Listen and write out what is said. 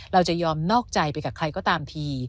เราจะยอมนอกใจไปกับใครก็ตามที